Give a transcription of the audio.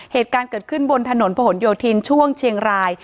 เหตุการณ์เกิดขึ้นบนถนนผนโยธินช่วงเชียงราย